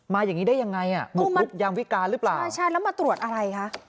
อย่างงี้ได้ยังไงอ่ะบุกรุกยามวิการหรือเปล่าใช่แล้วมาตรวจอะไรคะ